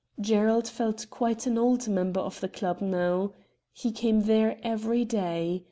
Gerald felt quite an old member of the club now. He came there every day.